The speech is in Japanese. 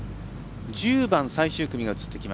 １０番、最終組。